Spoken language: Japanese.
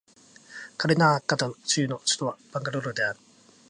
カルナータカ州の州都はバンガロールである